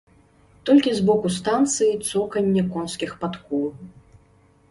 Толькі з боку станцыі цоканне конскіх падкоў.